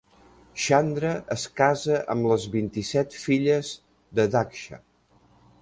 Chandra es casa amb les vint-i-set filles de Daksha.